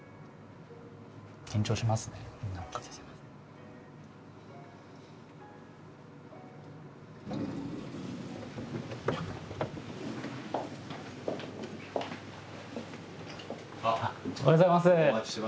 おはようございます！